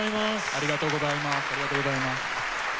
ありがとうございます。